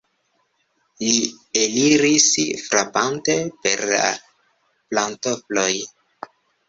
Li eliris, frapante per la pantofloj.